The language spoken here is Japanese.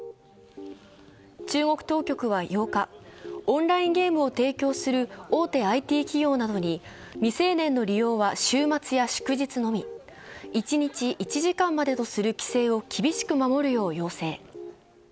中国当局は８日、オンラインゲームを提供する大手ＩＴ企業などに、未成年の利用は週末や祝日のみ、一日１時間までとする規制を厳しく守るよう要請。